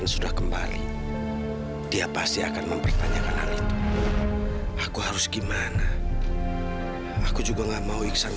sudah kembali dia pasti akan mempertanyakan hal itu aku harus gimana aku juga nggak mau iksan